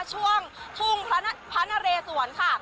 ช่วงทุ่งพระนเรสวนค่ะ